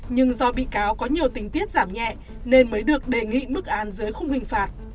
nhưng do bị cáo có nhiều tình tiết giảm nhẹ nên mới được đề nghị mức án dưới khung hình phạt